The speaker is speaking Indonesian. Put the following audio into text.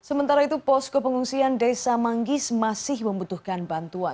sementara itu posko pengungsian desa manggis masih membutuhkan bantuan